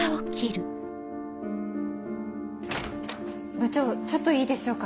部長ちょっといいでしょうか。